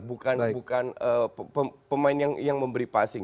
bukan pemain yang memberi passing